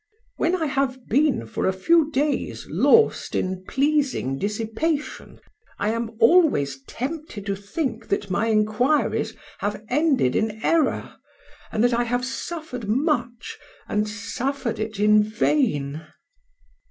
When I have been for a few days lost in pleasing dissipation, I am always tempted to think that my inquiries have ended in error, and that I have suffered much, and suffered it in vain."